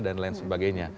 dan lain sebagainya